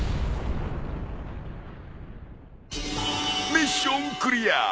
ミッションクリア！